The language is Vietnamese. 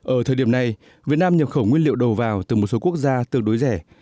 ở thời điểm này việt nam nhập khẩu nguyên liệu đầu vào từ một số quốc gia tương đối rẻ